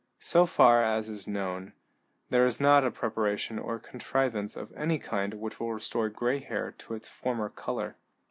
So far as is known, there is not a preparation or contrivance of any kind which will restore gray hair to its former color.